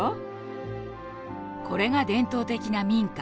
これが伝統的な民家。